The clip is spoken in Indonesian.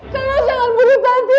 kamu jangan bunuh tanti